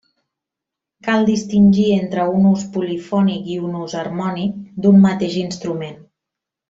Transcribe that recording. Cal distingir entre un ús polifònic i un ús harmònic d'un mateix instrument.